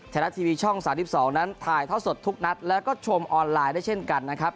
ไทยรัฐทีวีช่อง๓๒นั้นถ่ายท่อสดทุกนัดแล้วก็ชมออนไลน์ได้เช่นกันนะครับ